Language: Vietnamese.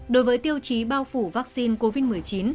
đối với tiêu chí bao phủ vaccine covid một mươi chín